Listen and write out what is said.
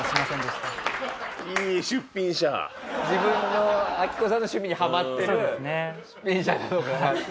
自分のアキコさんの趣味にハマってる出品者なのかなって。